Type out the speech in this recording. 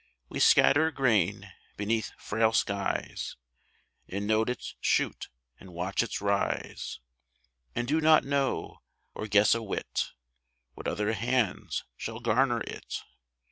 We scatter grain beneath frail skies, And note its shoot and watch its rise, And do not know or guess a whit What other hands shall garner it.